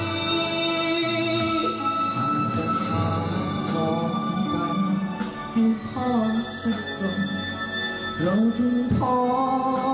หากจะพอขอขวัญให้พ่อสักวัน